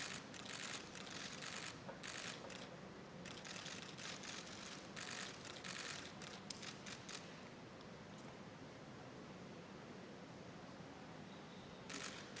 kepada komisaris jenderal polisi dr andos listio sigit pradu msi sebagai kepala kepolisian negara republik indonesia